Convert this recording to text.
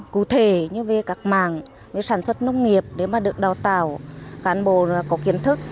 cụ thể như về các mảng sản xuất nông nghiệp để mà được đào tạo cán bộ có kiến thức